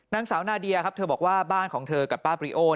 นางสาวนาเดียครับเธอบอกว่าบ้านของเธอกับป้าบริโอ